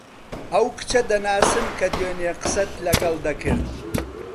ئەو کچە دەناسم کە دوێنێ قسەت لەگەڵ دەکرد.